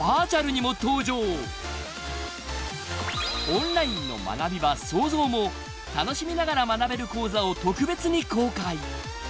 ［オンラインの学び場ＳＯＺＯＷも楽しみながら学べる講座を特別に公開］